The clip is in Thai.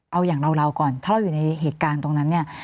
เอาอย่างเราก่อนถ้าเราอยู่ในเหตุการณ์ตรงนั้นเนี่ย